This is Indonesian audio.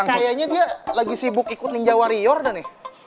kayaknya dia lagi sibuk ikut ninja warrior udah nih